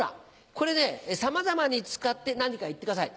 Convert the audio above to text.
これさまざまに使って何か言ってください。